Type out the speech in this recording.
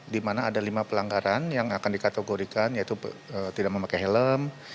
di mana ada lima pelanggaran yang akan dikategorikan yaitu tidak memakai helm